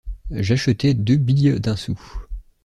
J’achetai deux billes d’un sou.